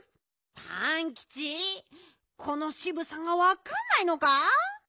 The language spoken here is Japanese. パンキチこのしぶさがわかんないのか？